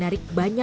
orang lain beli